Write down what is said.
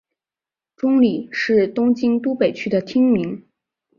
中里是东京都北区的町名。